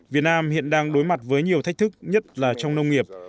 việt nam hiện đang đối mặt với nhiều thách thức nhất là trong nông nghiệp